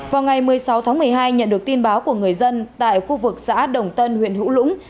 vào ngày một mươi sáu tháng một mươi hai nhận được tin báo của người dân tại khu vực xã đồng tân huyện hữu lũng